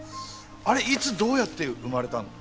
あれいつどうやって生まれたの？